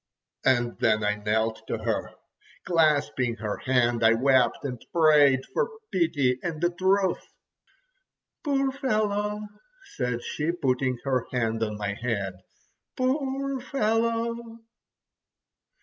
And then I knelt to her. Clasping her hand I wept, and prayed for pity and the truth. "Poor fellow!" said she, putting her hand on my head, "poor fellow!"